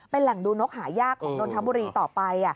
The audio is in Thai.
เป็นแหล่งดูนกหายากของนนทบุรีต่อไป